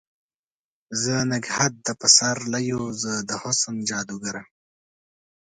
زه نګهت د پسر لیو، زه د حسن جادوګره